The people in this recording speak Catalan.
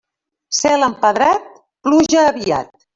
Cel empedrat, pluja aviat.